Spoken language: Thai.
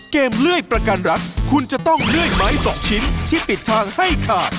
เลื่อยประกันรักคุณจะต้องเลื่อยไม้สองชิ้นที่ปิดทางให้ขาด